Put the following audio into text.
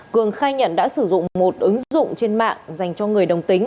cường khai nhận đã sử dụng một ứng dụng trên mạng dành cho người đồng tính